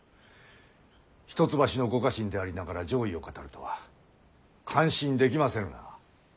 一橋のご家臣でありながら攘夷を語るとは感心できませぬな。